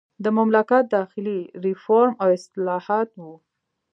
د مملکت داخلي ریفورم او اصلاحات وو.